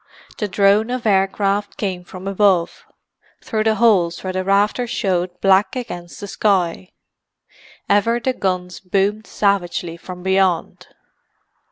The drone of aircraft came from above, through the holes where the rafters showed black against the sky. Ever the guns boomed savagely from beyond.